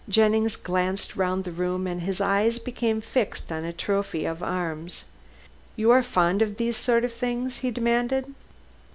Jennings glanced round the room and his eyes became fixed on a trophy of arms. "You are fond of these sort of things?" he demanded.